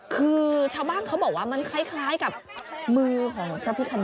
คือชาวบ้านเขาบอกว่ามันคล้ายกับมือของพระพิคเน